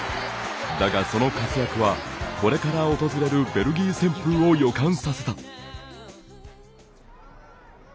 だが、その活躍はこれから訪れるベルギー旋風を予感させた。